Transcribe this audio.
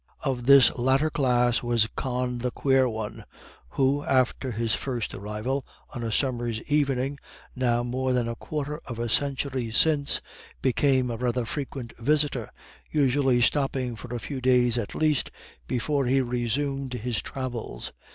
Of this latter class was Con the Quare One, who, after his first arrival, on a summer's evening, now more than a quarter of a century since, became a rather frequent visitor, usually stopping for a few days at least, before he resumed his travels.